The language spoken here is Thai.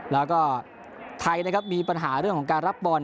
แล้วก็ไทยนะครับมีปัญหาเรื่องของการรับบอล